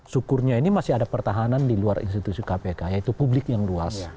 syukurnya ini masih ada pertahanan di luar institusi kpk yaitu publik yang luas